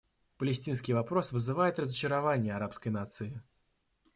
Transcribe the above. Палестинский вопрос вызывает разочарование арабской нации.